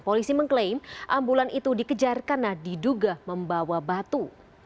polisi mengklaim ambulan itu dikejar karena diduga membawa batu